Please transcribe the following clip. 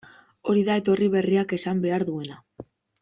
Hori da etorri berriak esan behar duena.